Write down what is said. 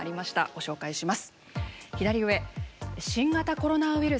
ご紹介します。